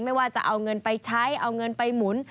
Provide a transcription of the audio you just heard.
ไม่ว่าจะเอาเงินไปใช้เอาเงินไปหมุน